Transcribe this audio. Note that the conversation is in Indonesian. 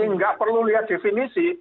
tidak perlu lihat definisi